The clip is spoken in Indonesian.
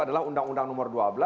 adalah undang undang nomor dua belas